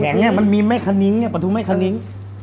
มันแข็งไงมันมีแม่คะนิ้งเนี่ยปลาทูแม่คะนิ้ง